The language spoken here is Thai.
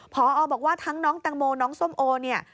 พอบอกว่าทั้งน้องแตงโมน้องส้มโอเนี่ย